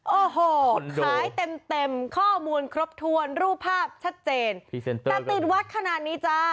โอ้โหค้าเต็มเต็มข้อมูลครบถ้วนรูปภาพชัดเจนนัดติดวัดขนาดนี้จ้า